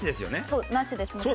そうなしですね。